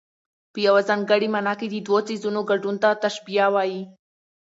په یوه ځانګړې مانا کې د دوو څيزونو ګډون ته تشبېه وايي.